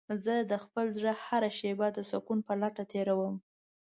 زه د خپل زړه هره شېبه د سکون په لټه تېرووم.